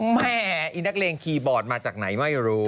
แม่ไอ้นักเลงคีย์บอร์ดมาจากไหนไม่รู้